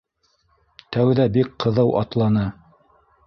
Тәүҙә бик ҡыҙыу атланы